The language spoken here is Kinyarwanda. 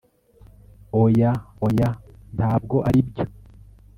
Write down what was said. oya, oya! ntabwo aribyo